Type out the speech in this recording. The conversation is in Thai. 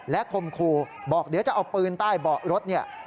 และคมคูบอกเดี๋ยวจะเอาปืนใต้บอกรถนี่